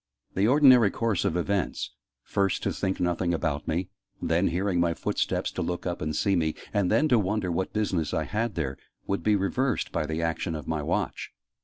The ordinary course of events first, to think nothing about me; then, hearing my footsteps to look up and see me; and then to wonder what business I had there would be reversed by the action of my Watch.